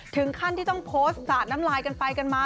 ถึงขั้นที่ต้องโพสต์สาดน้ำลายกันไปกันมา